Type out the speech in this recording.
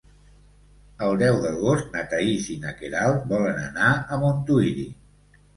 El deu d'agost na Thaís i na Queralt volen anar a Montuïri.